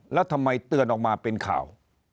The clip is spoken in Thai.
แล้วทำไมเตือนออกมาเป็นข่าว